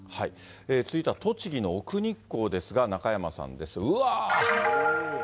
続いては栃木の奥日光ですが、中山さんです。